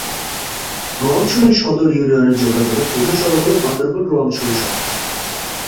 রোয়াংছড়ি সদর ইউনিয়নে যোগাযোগের প্রধান সড়ক হল বান্দরবান-রোয়াংছড়ি সড়ক।